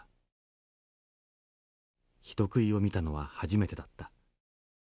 人食いを見たのは初めてだった。